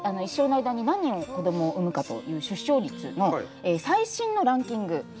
一生の間に何人子どもを産むかという出生率の最新のランキング。